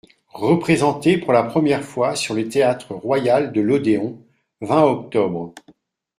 Représentée pour la première fois sur le Théâtre Royal de l'Odéon (vingt oct.